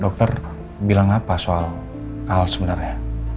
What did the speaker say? dokter bilang apa soal hal sebenarnya